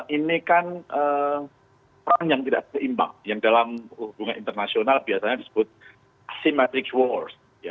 ini kan peran yang tidak seimbang yang dalam hubungan internasional biasanya disebut acimetric wars